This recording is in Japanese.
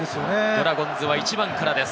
ドラゴンズは１番からです。